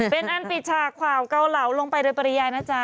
เป็นอันปิดฉากขวาวเกาเหลาลงไปโดยปริญญานะจ๊ะ